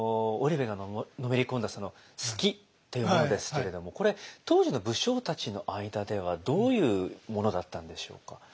織部がのめり込んだ数寄というものですけれどもこれ当時の武将たちの間ではどういうものだったんでしょうか？